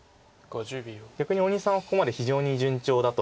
逆に大西さんはここまで非常に順調だと思うので。